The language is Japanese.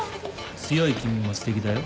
強い君もすてきだよ。